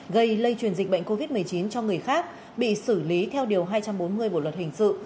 gây lây truyền dịch bệnh covid một mươi chín cho người khác bị xử lý theo điều hai trăm bốn mươi bộ luật hình sự